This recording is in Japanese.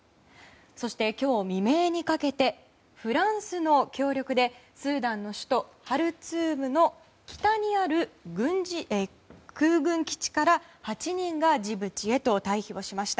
そして、今日未明にかけてフランスの協力でスーダンの首都ハルツームの北にある空軍基地から８人が、ジブチへと退避をしました。